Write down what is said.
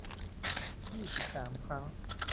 ยี่สิบสาม ครั้ง